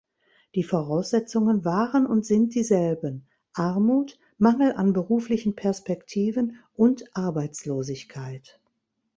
Die Voraussetzungen waren und sind dieselben: Armut, Mangel an beruflichen Perspektiven und Arbeitslosigkeit.